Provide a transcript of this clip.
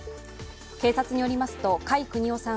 警察によりますと甲斐邦雄さん